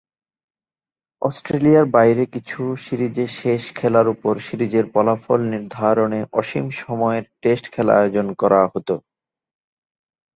অস্ট্রেলিয়ার বাইরে কিছু সিরিজে শেষ খেলার উপর সিরিজের ফলাফল নির্ধারণে অসীম সময়ের টেস্ট খেলা আয়োজন করা হতো।